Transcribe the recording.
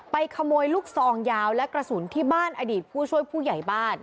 ขโมยลูกซองยาวและกระสุนที่บ้านอดีตผู้ช่วยผู้ใหญ่บ้าน